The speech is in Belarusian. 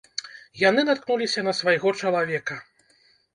Яны наткнуліся на свайго чалавека.